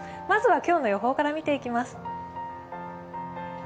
まずは今日の予報から見ていきます。